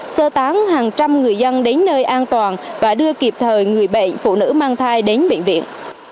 sơ tán hàng trăm người dân đến nơi an toàn và đưa kịp thời người bệnh phụ nữ mang thai đến bệnh viện